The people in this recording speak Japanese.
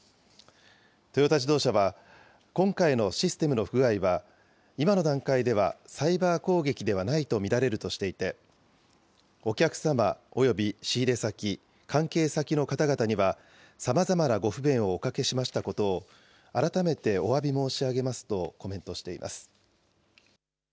トヨタ自動車は、今回のシステムの不具合は、今の段階ではサイバー攻撃ではないと見られるとしていて、お客様および仕入れ先、関係先の方々には、さまざまなご不便をおかけしましたことを、改めておわび申し上げますとコメントしています。